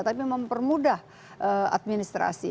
tapi mempermudah administrasi